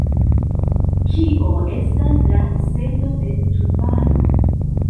Kio estas la celo de Tubaro?